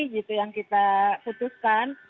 gitu yang kita putuskan